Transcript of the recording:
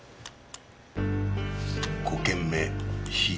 「５件目火」